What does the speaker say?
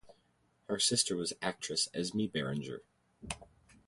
Her sister was actress Esme Beringer.